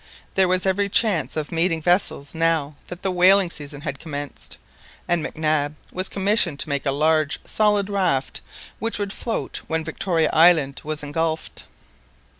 There was every chance of meeting vessels now that the whaling season had commenced, and Mac Nab was commissioned to make a large solid raft which would float when Victoria Island was engulfed.